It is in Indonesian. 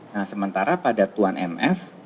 nah sementara pada tuan mf